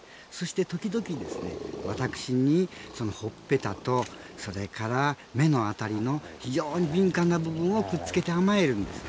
時々、私にほっぺたと目の辺りの非常に敏感な部分をくっつけて甘えるんです。